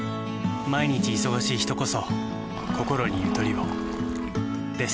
毎日忙しい人こそこころにゆとりをです。